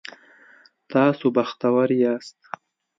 تاسو بختور یاست